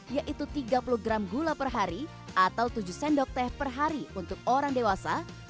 yaitu tiga puluh gram gula per hari atau tujuh sendok teh per hari untuk orang dewasa